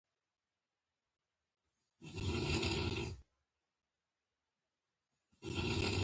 نه برېښنا په چاقوړک، سانکۍ ججي وو